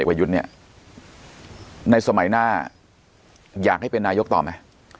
ประยุทธ์เนี่ยในสมัยหน้าอยากให้เป็นนายกต่อไหม